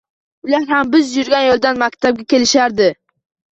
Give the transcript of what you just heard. Ular ham biz yurgan yoʻldan maktabga kelishardi.